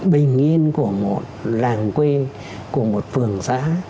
bình yên của một làng quê của một phường xã